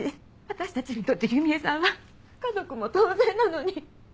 私たちにとって弓江さんは家族も同然なのに。